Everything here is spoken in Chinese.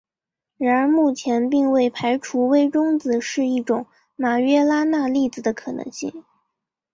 然而目前并未排除微中子是一种马约拉纳粒子的可能性。